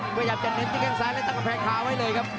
พยายามจะเน้นที่แข้งซ้ายและตั้งกำแพงขาไว้เลยครับ